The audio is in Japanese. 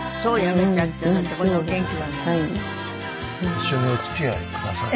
一緒にお付き合いください。